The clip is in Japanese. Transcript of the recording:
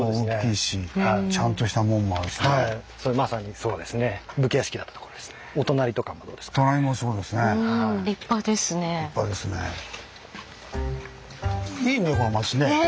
いいねこの町ね。